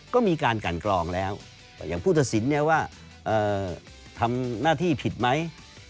ก็มีการกันกรองแล้วอย่างผู้ตัดสินเนี่ยว่าทำหน้าที่ผิดไหม